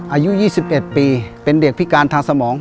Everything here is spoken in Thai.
อายุยี่สิบเอ็ดปีเป็นเด็กพิการทางสมอง